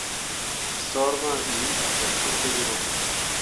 Soor mah ɓii ah bem tǝtǝlliwo.